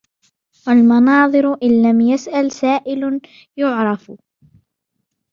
وَالْمَنَاظِرُ إنْ لَمْ يَسْأَلْ سَائِلٌ يُعْرَفُ